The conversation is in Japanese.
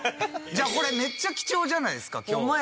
じゃあこれめっちゃ貴重じゃないですか今日。